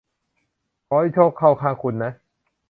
ขอให้โชคเข้าข้างคุณนะ